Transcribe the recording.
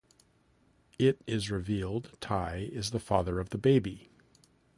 It is revealed Tigh is the father of the baby.